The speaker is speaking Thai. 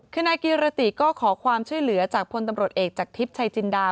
คือนายกิรติก็ขอความช่วยเหลือจากพลตำรวจเอกจากทิพย์ชัยจินดา